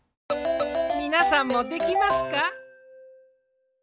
みなさんもできますか？